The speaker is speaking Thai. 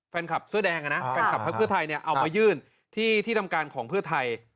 แฟนคลับเสื้อแดงท์นี้เอาไว้ยื่นที่ที่ทำการของเพื่อไทย